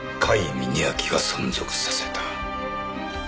峯秋が存続させた。